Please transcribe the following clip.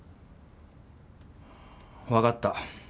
分かった。